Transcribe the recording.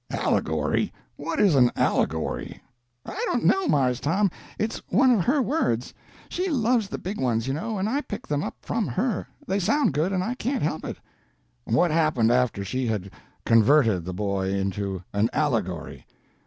"Allegory? What is an allegory?" "I don't know, Marse Tom, it's one of her words; she loves the big ones, you know, and I pick them up from her; they sound good and I can't help it." "What happened after she had converted the boy into an allegory?"